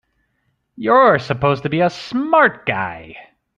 You're supposed to be a smart guy!